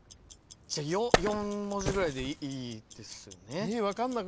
４文字ぐらいでいいですよね。